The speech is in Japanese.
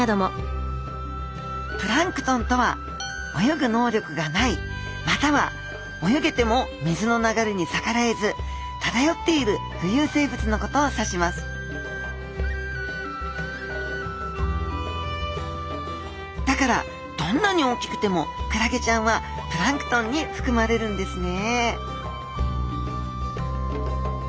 プランクトンとは泳ぐ能力がないまたは泳げても水の流れに逆らえず漂っている浮遊生物のことを指しますだからどんなに大きくてもクラゲちゃんはプランクトンにふくまれるんですね